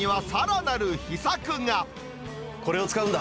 これを使うんだ。